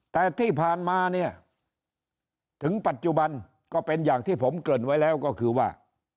แต่ที่ผ่านมาเนี่ยถึงปัจจุบันก็เป็นอย่างที่ผมเกริ่นไว้แล้วก็คือว่า